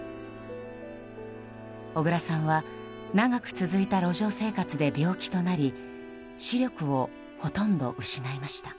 小倉さんは長く続いた路上生活で病気となり視力をほとんど失いました。